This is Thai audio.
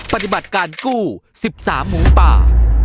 ปฏิบัติการกู้๑๓หมูป่า